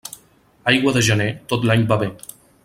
Aigua de gener, tot l'any va bé.